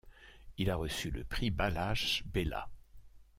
Il a reçu le prix Balázs Béla.